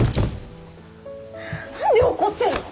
何で怒ってんの⁉